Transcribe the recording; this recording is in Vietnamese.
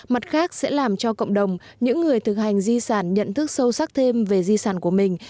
mặt khác sẽ làm cho cộng đồng những người thực hành di sản nhận thức sâu sắc thêm về di sản của mình